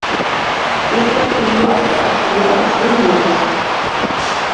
У шостым класе адстаяла свой голас.